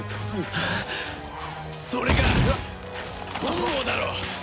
それが本望だろ！？